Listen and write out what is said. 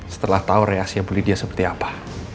setelah tahu reaksi bu lydia seperti apa